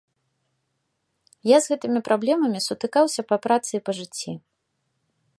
Я з гэтымі праблемамі сутыкаўся па працы і па жыцці.